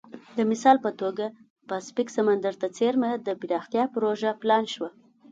د مثال په توګه پاسفیک سمندر ته څېرمه د پراختیا پروژه پلان شوه.